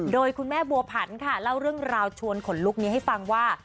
โดยคุณแม่บัวผันค่ะเล่าเรื่องราวชวนขนลุกนี้ให้ฟังว่า